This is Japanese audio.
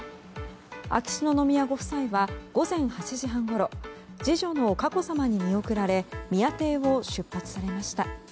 秋篠宮ご夫妻は午前８時半ごろ次女の佳子さまに見送られ宮邸を出発されました。